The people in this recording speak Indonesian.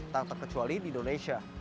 tak terkecuali di indonesia